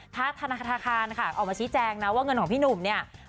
ถ้าธนาคารค่ะออกมาชี้แจงนะว่าเงินของพี่หนุ่มเนี่ย